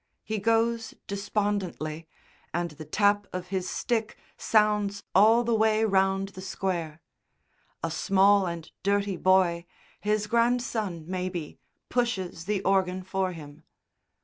He goes despondently, and the tap of his stick sounds all the way round the Square. A small and dirty boy his grandson, maybe pushes the organ for him.